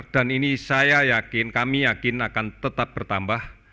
dan ini saya yakin kami yakin akan tetap bertambah